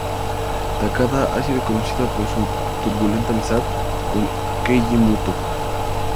Takada ha sido conocido por su turbulenta amistad con Keiji Muto.